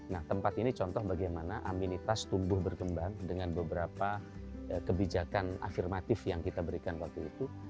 nah tempat ini contoh bagaimana aminitas tumbuh berkembang dengan beberapa kebijakan afirmatif yang kita berikan waktu itu